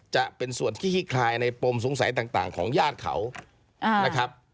จะเป็นส่วนที่ขี้คลายในปมสงสัยต่างของญาติเขานะครับ